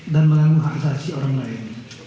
dan menganggu hak asasi orang lain